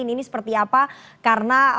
ini seperti apa karena